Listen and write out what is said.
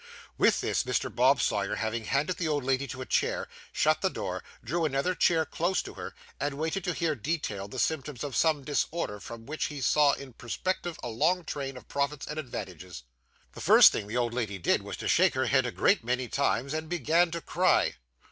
With this, Mr. Bob Sawyer having handed the old lady to a chair, shut the door, drew another chair close to her, and waited to hear detailed the symptoms of some disorder from which he saw in perspective a long train of profits and advantages. The first thing the old lady did, was to shake her head a great many times, and began to cry.